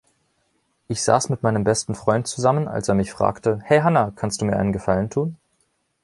Ich saß mit meinem besten Freund zusammen, als er mich fragte: „Hey Hannah, kannst du mir einen Gefallen tun?“